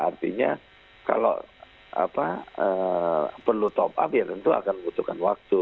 artinya kalau perlu top up ya tentu akan membutuhkan waktu